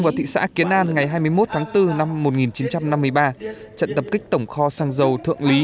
vào thị xã kiến an ngày hai mươi một tháng bốn năm một nghìn chín trăm năm mươi ba trận tập kích tổng kho sang dầu thượng lý